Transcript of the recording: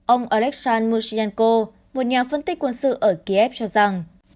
ông aleksandr mushchenko một nhà phân tích quân sự ở kiev cho rằng